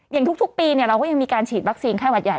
อย่างทุกปีเราก็ยังมีการฉีดวัคซีนไข้หวัดใหญ่